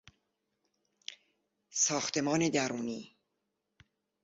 ساختمان درونی